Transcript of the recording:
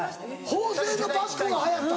法政のバッグが流行った。